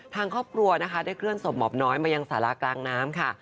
ทางครอบครัวนะคะได้เคลื่อศพหมอบน้อยมายังสารากลางน้ำค่ะ